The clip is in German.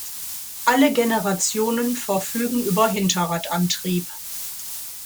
Alle Generationen verfügen über Hinterradantrieb.